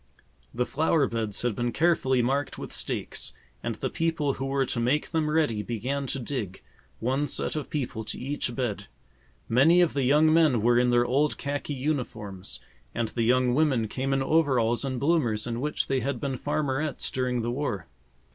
The flower beds had been carefully marked with stakes, and the people who were to make them ready began to dig, one set of people to each bed. Many of the young men were in their old khaki uniforms, and the young women came in overalls and bloomers in which they had been farmerettes during the war.